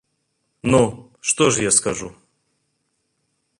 Ну, што ж я скажу?